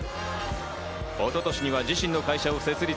一昨年には自身の会社を設立。